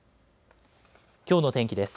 きょうの天気です。